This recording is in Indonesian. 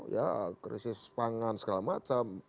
ya krisis pangan segala macam